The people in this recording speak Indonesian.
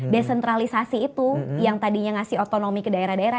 desentralisasi itu yang tadinya ngasih otonomi ke daerah daerah